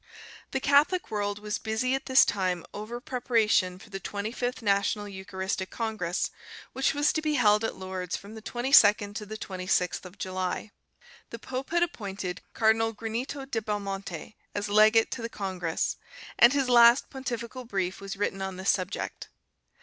The Catholic world was busy at this time over preparation for the twenty fifth national eucharistic congress, which was to be held at Lourdes from the 22nd to the 26th of July. The pope had appointed Cardinal Granito di Belmonte as legate to the congress, and his last pontifical brief was written on this subject.